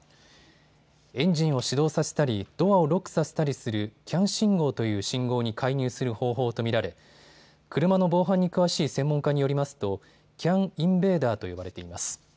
エンジンを始動させたりドアをロックさせたりするＣＡＮ信号という信号に介入する方法と見られ車の防犯に詳しい専門家によりますとＣＡＮインベーダーと呼ばれています。